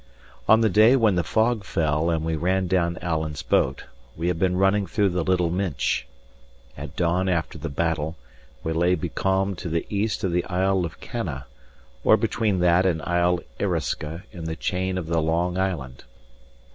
On the day when the fog fell and we ran down Alan's boat, we had been running through the Little Minch. At dawn after the battle, we lay becalmed to the east of the Isle of Canna or between that and Isle Eriska in the chain of the Long Island.